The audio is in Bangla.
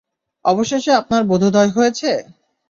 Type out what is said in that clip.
অবশেষে আপনার বোধোদয় হয়েছে!